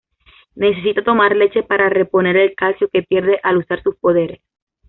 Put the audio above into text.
Necesita tomar leche para reponer el calcio que pierde al usar sus poderes.